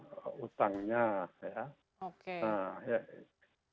yang lain tentu macam macam pemasarannya kemudian efisiensi produksinya